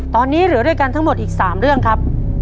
ตอนนี้เหลือด้วยกันทั้งหมดอีก๓เรื่องครับ